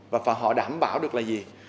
và họ đảm bảo được là gì